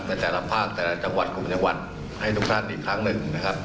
แต่ละภาคแต่ละจังหวัดกลุ่มจังหวัดให้ทุกท่านอีกครั้งหนึ่งนะครับ